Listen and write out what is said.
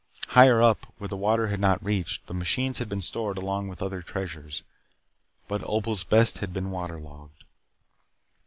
Higher up, where the water had not reached, the machines had been stored along with other treasures. But Opal's best had been water logged.